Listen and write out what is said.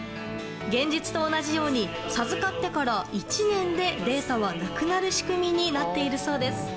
現実と同じように授かってから１年でデータはなくなる仕組みになっているそうです。